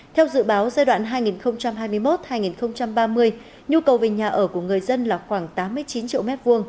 theo dự báo giai đoạn hai nghìn hai mươi một hai nghìn ba mươi nhu cầu về nhà ở của người dân là khoảng tám mươi chín triệu m hai